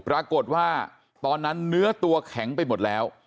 ปรากฏว่าตอนนั้นเนื้อตัวแข็งไปหมดแล้ว